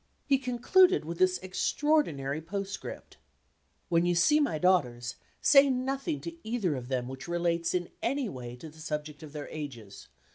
He concluded with this extraordinary postscript: "When you see my daughters, say nothing to either of them which relates, in any way, to the subject of their ages.